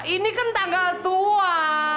ini kan tanggal tua